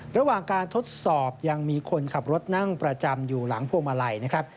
ระหว่างการทดสอบยังมีคนขับรถนั่งประจำอยู่หลังพวงมาลัยนะครับ